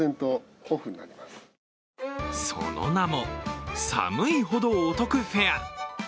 その名も、寒いほどお得フェア。